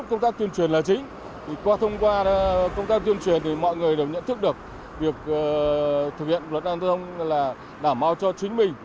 việc thực hiện luật năng giao thông là đảm bảo cho chính mình